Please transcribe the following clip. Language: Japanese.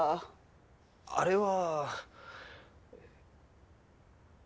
あれは。